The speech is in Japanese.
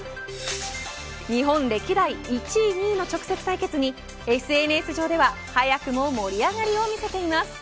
日本歴代１位、２位の直接対決にＳＮＳ上では早くも盛り上がりを見せています。